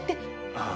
ああ。